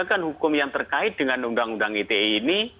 penegakan hukum yang terkait dengan undang undang ite ini